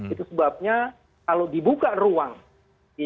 itu sebabnya kalau dibuka ruang di pemeriksaan